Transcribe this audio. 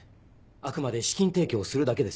あくまで資金提供をするだけですよ。